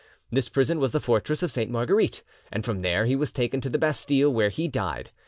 This prison was the fortress of Sainte Marguerite, and from there he was taken to the Bastille, where he died.